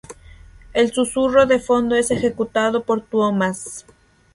El susurro de fondo es ejecutado por Tuomas.